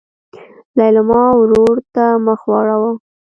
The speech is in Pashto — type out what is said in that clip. لېلما ورور ته مخ واړوه.